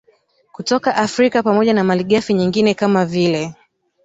kutoka Afrika pamoja na malighafi nyingine kama vile